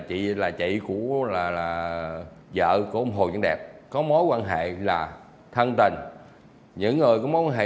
chị là chị của là vợ của ông hồ văn đẹp có mối quan hệ là thân tình những người có mối quan hệ